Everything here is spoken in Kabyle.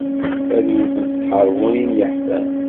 Ad wten s tḥerbunin yeḥfan.